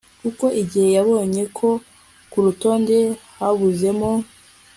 kuko igihe babonye ko ku rutonde habuzemo